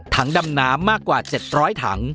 ดำน้ำมากกว่า๗๐๐ถัง